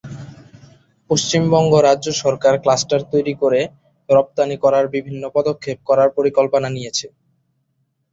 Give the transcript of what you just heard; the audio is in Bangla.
পশ্চিমবঙ্গ রাজ্য সরকার ক্লাস্টার তৈরি-করে রপ্তানি করার বিভিন্ন পদক্ষেপ করার পরিকল্পনা নিয়েছে।